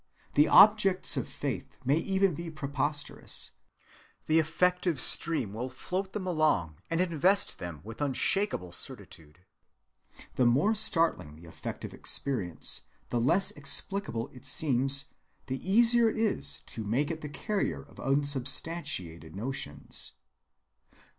The objects of faith may even be preposterous; the affective stream will float them along, and invest them with unshakable certitude. The more startling the affective experience, the less explicable it seems, the easier it is to make it the carrier of unsubstantiated notions."